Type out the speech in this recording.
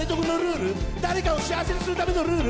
「誰を幸せにするためのルール？？」